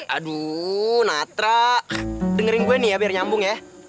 aduh natra dengerin gue nih ya biar nyambung ya